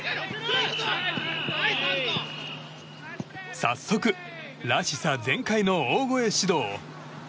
早速、らしさ全開の大声始動。